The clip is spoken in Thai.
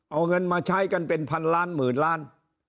เอาเงินมาใช้กันเป็นพันล้านหมื่นล้าน